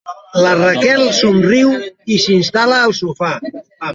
La Raquel somriu i s'instal·la al sofà.